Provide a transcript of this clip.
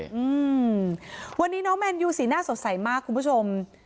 อืมวันนี้น้องแมนยูสีหน้าสดใสมากคุณผู้ชม